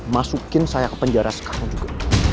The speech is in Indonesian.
masukin saya ke penjara sekarang juga